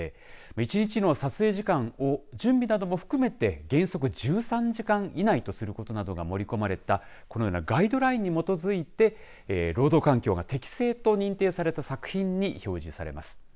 １日の撮影時間を準備なども含めて原則１３時間以内とすることなどが盛り込まれたこのようなガイドラインに基づいて労働環境が適正と認定された作品に表示されます。